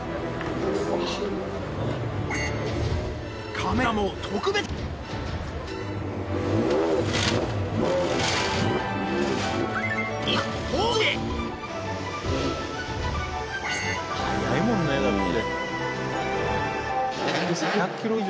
カメラも特別に！